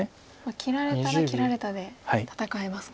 切られたら切られたで戦えますか。